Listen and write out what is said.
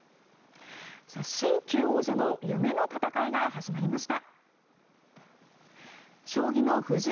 新旧王者の夢の戦いが始まりました。